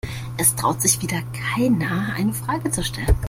Es traut sich wieder keiner, eine Frage zu stellen.